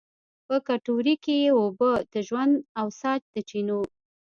په کټورې کې یې اوبه، د ژوند او سا د چېنو